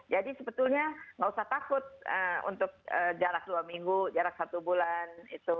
jadi sebetulnya nggak usah takut untuk jarak dua minggu jarak satu bulan